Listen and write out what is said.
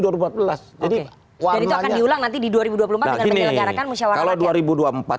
jadi itu akan diulang nanti di dua ribu dua puluh empat dengan penyelenggaraan musyawarat rakyat